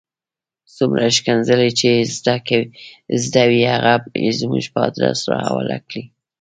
څومره ښکنځلې چې یې زده وې هغه یې زموږ په آدرس را حواله کړې.